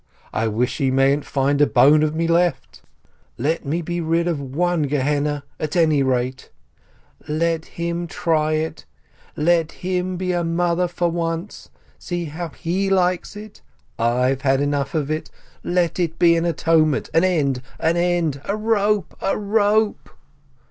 I wish he mayn't find a bone of me left ! Let me be rid of one Gehenna at any rate ! Let him try it, let him be a mother for once, see how he likes it! I've had enough of it! Let it be an atonement ! An end, an end ! A rope, a rope